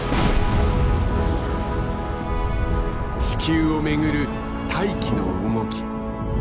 地球を巡る大気の動き。